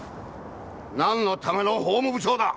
何のための法務部長だ！